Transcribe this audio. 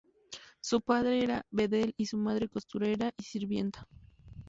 Su padre era bedel y su madre costurera y sirvienta.